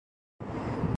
Georgia